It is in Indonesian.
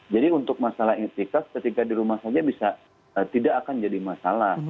jadi untuk masalah ikhtikaf ketika di rumah saja tidak akan jadi masalah